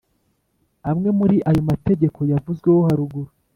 amwe muri ayo mategeko yavuzweho haruguru.